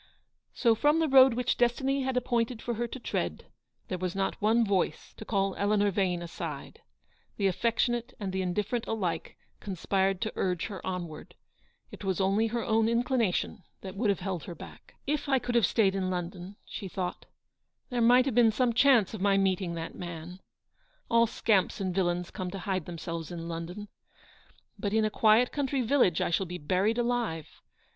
So from the road which Destiny had appointed for her to tread, there was not one voice to call Eleanor Vane aside. The affectionate and the indifferent alike conspired to urge her onward. It was only her own inclination that would have held her back. RICHARD THORNTONS PROMISE. " If I could have staved in London/' she thought, " there might have been some chance of my meeting that man. All scamps and villains come to hide themselves in London. But in a quiet country village I shall be buried alive.